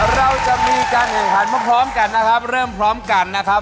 เราจะมีการแข่งขันพร้อมกันนะครับเริ่มพร้อมกันนะครับ